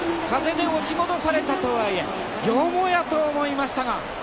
風で押し戻されたとはいえよもやと思いましたが。